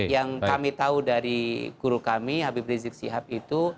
yang kami tahu dari guru kami habib rizik sihab itu